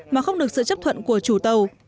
mà không được sự chấp thuận của chủ tàu